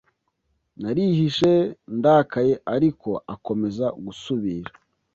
Narihishe, ndakaye; ariko akomeza gusubira